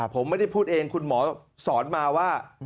ผมไม่ได้พูดเองคุณหมอสอนมาว่า